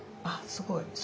あっすごい。